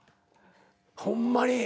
ホンマに。